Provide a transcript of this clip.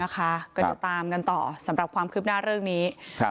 ก็เดี๋ยวตามกันต่อสำหรับความคืบหน้าเรื่องนี้